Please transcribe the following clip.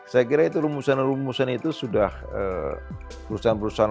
saya kira itu rumusan rumusan itu sudah perusahaan perusahaan